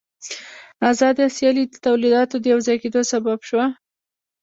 آزاده سیالي د تولیداتو د یوځای کېدو سبب شوه